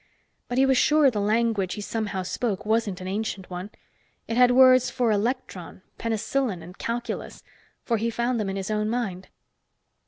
But he was sure the language he somehow spoke wasn't an ancient one. It had words for electron, penicillin and calculus, for he found them in his own mind.